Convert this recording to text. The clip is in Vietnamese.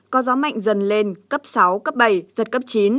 có gió mạnh dần lên cấp sáu cấp bảy giật cấp chín